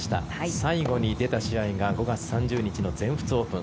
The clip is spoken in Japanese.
最後に出た試合が５月３０日の全仏オープン。